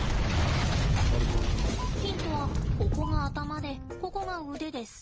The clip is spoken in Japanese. ヒントはここが頭でここが腕です。